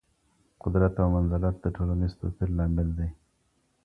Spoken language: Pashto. قدرت او منزلت د ټولنیز توپیر لامل دی.